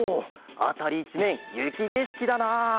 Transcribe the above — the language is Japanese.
あたりいちめんゆきげしきだな。